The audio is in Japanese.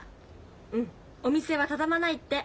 うんお店は畳まないって。